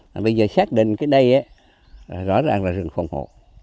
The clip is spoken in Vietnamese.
mà bây giờ xác định cái đây rõ ràng là rừng phòng hộ